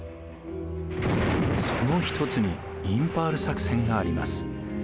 その一つにインパール作戦があります。